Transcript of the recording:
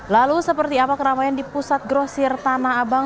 lalu seperti apa keramaian di pusat grosir tanah abang